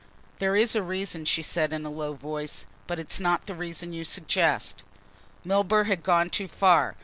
"There is a reason," she said in a low voice. "But it is not the reason you suggest." Milburgh had gone too far.